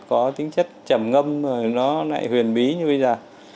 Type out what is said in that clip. có tính chất chẩm ngâm rồi nó lại huyền bí như bây giờ